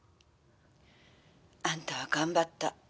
「あんたは頑張った。